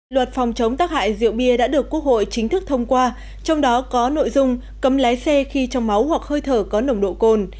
luật phòng chống tác hại rượu bia đã được quốc hội chính thức thông qua trong đó có nội dung cấm lái xe khi trong máu hoặc hơi thở có nồng độ cồn